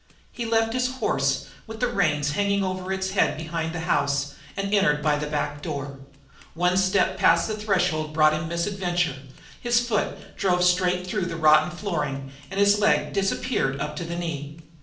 He left his horse with the reins hanging over its head behind the house and entered by the back door. One step past the threshold brought him misadventure, for his foot drove straight through the rotten flooring and his leg disappeared up to the knee.